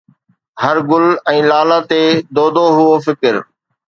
هر گل ۽ لالا تي دودو هئو فڪر